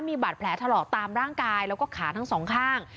มีบาดแผลถลอกตามร่างกายแล้วก็ขาทั้งสองข้าง